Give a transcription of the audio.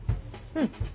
うん。